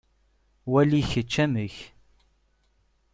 Wali kečč amek.